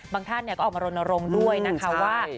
บางท่านก็ออกมาโรนโรงด้วยนะคะว่า